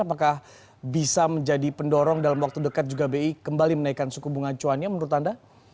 apakah bisa menjadi pendorong dalam waktu dekat juga bi kembali menaikkan suku bunga cuannya menurut anda